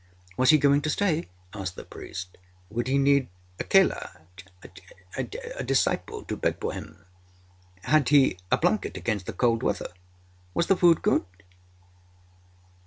Was he going to stay? asked the priest. Would he need a chela a disciple to beg for him? Had he a blanket against the cold weather? Was the food good?